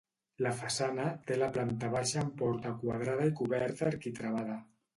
La façana té la planta baixa amb porta quadrada i coberta arquitravada.